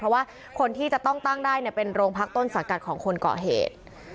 ว่าคนที่จะต้องตั้งได้เนี่ยเป็นโรงพักต้นสังกัดของคนเกาะเหตุ